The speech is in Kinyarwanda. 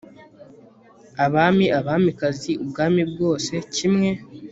abami, abamikazi, ubwami bwose kimwe